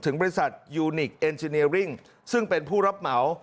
บริษัทยูนิคเอ็นจิเนริ่งซึ่งเป็นผู้รับเหมา